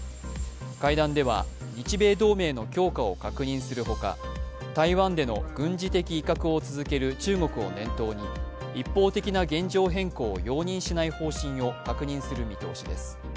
会談では日米同盟の強化を確認する他、台湾での軍事的威嚇を続ける中国を念頭に一方的な現状変更を容認しない方針を確認する見通しです。